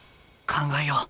考えよう。